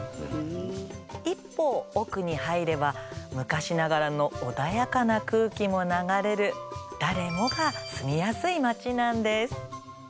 一歩奥に入れば昔ながらの穏やかな空気も流れる誰もが住みやすい街なんです。